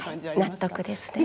納得ですね。